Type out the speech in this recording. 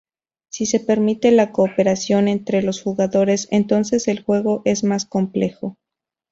Si se permite la cooperación entre los jugadores, entonces el juego es más complejo.